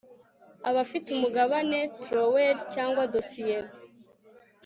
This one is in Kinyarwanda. Abafite umugabane trowel cyangwa dosiye